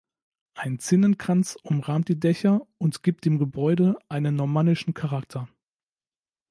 Ein Zinnenkranz umrahmt die Dächer und gibt dem Gebäude einen normannischen Charakter.